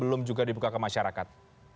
belum juga dibuka ke masyarakat